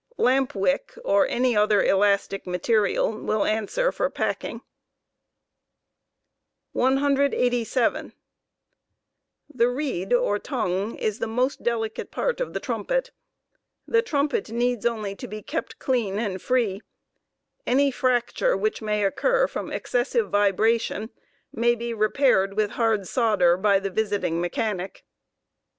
Lamp* wick, or any other elastic material, will answer for packing ' Tho trumpet. 187 The reed or tongue is the most delicate part of the trumpet The trumpet needs only to be kept clean and free ; any fracture which may occur from excessive vibration may be repaired with hard solder by the visiting mechanic.